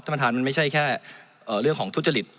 ประธานมันไม่ใช่แค่เรื่องของทุจริต